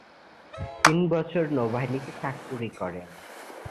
তিন বছর নৌবাহিনীতে চাকুরী করেন।